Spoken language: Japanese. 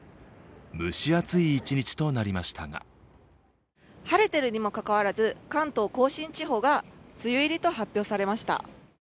蒸し暑い一日となりましたが晴れているにもかかわらず、関東甲信地方が梅雨入りと発表されました。